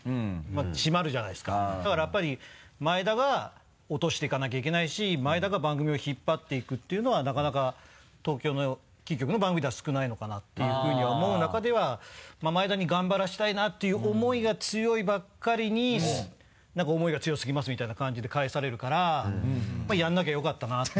締まるじゃないですかだからやっぱり前田が落としていかなきゃいけないし前田が番組を引っ張っていくっていうのはなかなか東京のキー局の番組では少ないのかな？っていうふうに思う中では前田に頑張らせたいなっていう思いが強いばっかりに何か「思いが強すぎます」みたいな感じで返されるから。やらなきゃよかったなって。